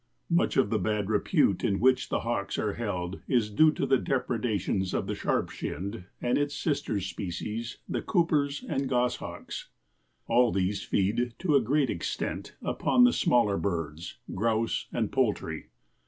Much of the bad repute in which the hawks are held is due to the depredations of the Sharp shinned and its sister species the Cooper's and goshawks. All these feed, to a great extent, upon the smaller birds, grouse and poultry.